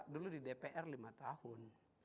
dulu di dpr lima tahun